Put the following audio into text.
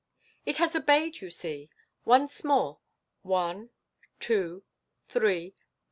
" It has obeyed, you see. Once more. One, two, three